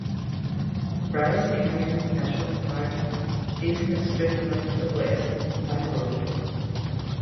Bryce Canyon National Park is in a straight line to the west, by road.